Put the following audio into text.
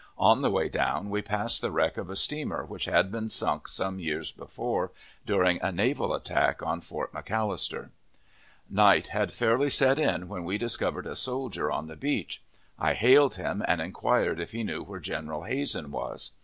On the way down we passed the wreck of a steamer which had been sunk some years before, during a naval attack on Fort McAllister. Night had fairly set in when we discovered a soldier on the beach. I hailed him, and inquired if he knew where General Hazen was.